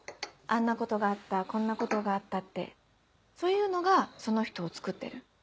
あんなことがあったこんなことがあったってそういうのがその人をつくってる。